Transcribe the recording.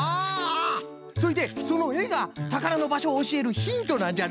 それでそのえがたからのばしょをおしえるヒントなんじゃな。